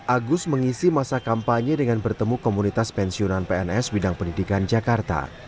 agus mengisi masa kampanye dengan bertemu komunitas pensiunan pns bidang pendidikan jakarta